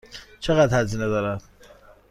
چقدر هزینه دارد؟